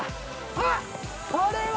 あっこれは。